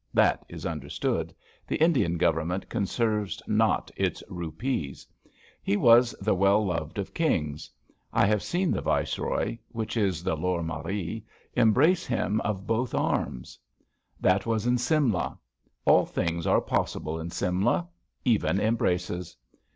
That is understood. The Indian Government conserves not its rupees. He was the well loved of kings. I have seen the Viceroy— which is the Lorr Maire — embrace him of both arms. 64 THE HISTOEY OF A FALL 55 That was in Simla. All things are possible in Simla. Even embraces.